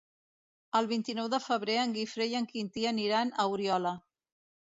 El vint-i-nou de febrer en Guifré i en Quintí aniran a Oriola.